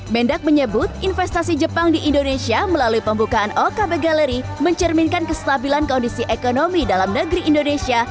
mendak menyebut investasi jepang di indonesia melalui pembukaan okb gallery mencerminkan kestabilan kondisi ekonomi dalam negeri indonesia